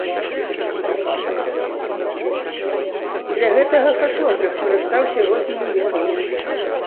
Для гэтага фатограф карыстаўся рознымі метадамі.